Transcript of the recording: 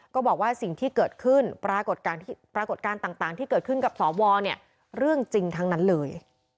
ก็บอกว่าสิ่งที่เกิดขึ้นปรากฏการณ์ต่างที่เกิดขึ้นกับสวเนี่ยเรื่องจริงทั้งนั้นเลย